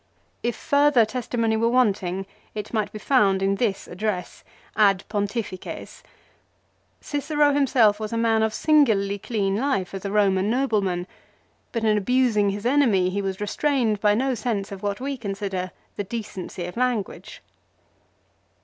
If further testimony were wanting it might be found in this address " Ad Pontifices." Cicero himself was a man of singularly clean life as a Roman noble man, but in abusing his enemy he was restrained by no sense of what we consider the decency of language.